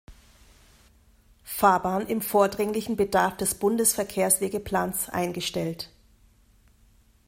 Fahrbahn im vordringlichen Bedarf des Bundesverkehrswegeplans eingestellt.